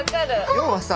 要はさ